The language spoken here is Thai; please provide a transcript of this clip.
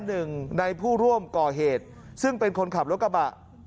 หนึ่งในผู้ร่วมก่อเหตุซึ่งเป็นคนขับรถกระบะ